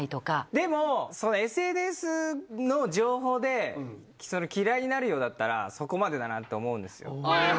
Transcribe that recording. でもＳＮＳの情報で嫌いになるようだったらそこまでだなと思うんですよ。